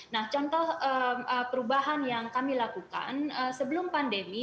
nah contoh perubahan yang kami lakukan sebelum pandemi